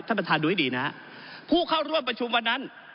ท่านประธานดูให้ดีนะฮะผู้เข้าร่วมประชุมวันนั้น